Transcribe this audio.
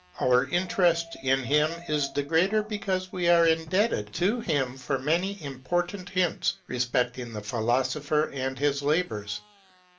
Our interest in him is the greater be 200 THE UFR OF IMMANCTBL KANT. cause we are indebted to him for many important hints respecting the philosopher and his labours.